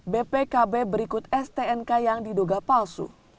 bpkb berikut stnk yang diduga palsu